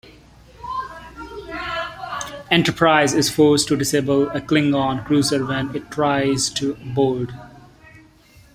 "Enterprise" is forced to disable a Klingon cruiser when it tries to board.